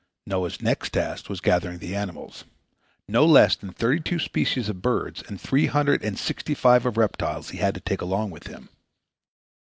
Noah's next task was gathering in the animals. No less than thirty two species of birds and three hundred and sixty five of reptiles he had to take along with him.